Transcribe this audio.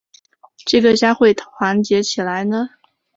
这个家会团结起来呢？